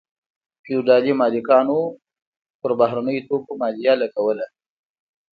فیوډالي مالکانو په بهرنیو توکو مالیه لګوله.